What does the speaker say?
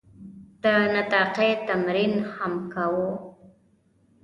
د نطاقي تمرین هم کاوه.